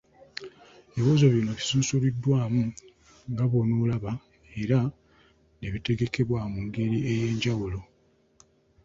Ebibuuzo bino bisunsuliddwamu nga bw’onoolaba era ne bitegekebwa mu ngeri ey’enjawulo.